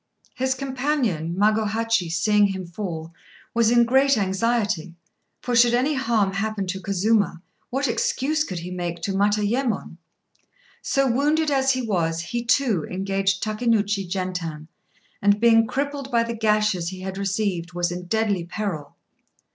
His companion Magohachi, seeing him fall, was in great anxiety; for should any harm happen to Kazuma, what excuse could he make to Matayémon? So, wounded as he was, he too engaged Takénouchi Gentan, and, being crippled by the gashes he had received, was in deadly peril.